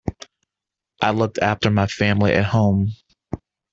I look after my family at home.